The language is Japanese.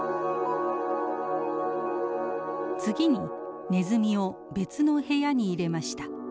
次にネズミを別の部屋に入れました。